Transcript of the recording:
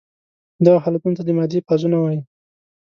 دغه حالتونو ته د مادې فازونه وايي.